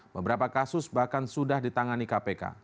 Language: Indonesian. beberapa kasus bahkan sudah ditangani kpk